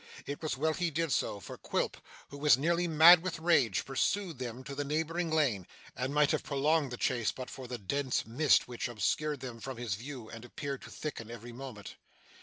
It was well he did so, for Quilp, who was nearly mad with rage, pursued them to the neighbouring lane, and might have prolonged the chase but for the dense mist which obscured them from his view and appeared to thicken every moment.